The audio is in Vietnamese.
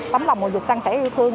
tấm lòng mùa dịch săn sẻ yêu thương